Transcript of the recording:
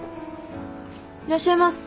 ・いらっしゃいませ。